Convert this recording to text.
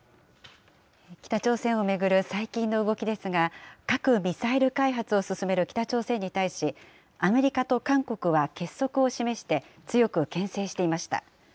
北朝鮮を巡る最近の動きですが、核・ミサイル開発を進める北朝鮮に対し、アメリカと韓国は結束を示して、強くけん制していました。